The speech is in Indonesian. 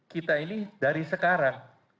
kita ini dari sekarang